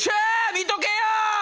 見とけよ！